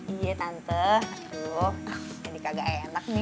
iya tante aduh jadi kagak enak nih